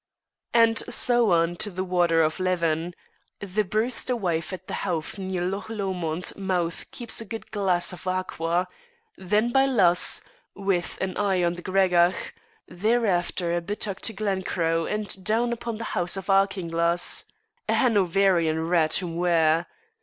and so on to the Water of Leven (the brewster wife at the howff near Loch Lomond mouth keeps a good glass of aqua) then by Luss (with an eye on the Gregarach), there after a bittock to Glencroe and down upon the House of Ardkinglas, a Hanoverian rat whom 'ware.